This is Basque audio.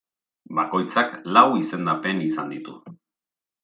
Bakoitzak lau izendapen izan ditu.